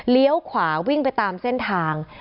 ขวาวิ่งไปตามเส้นทาง